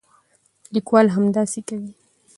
لیکوال همداسې کوي.